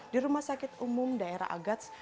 di rumah sakit umum daerah agats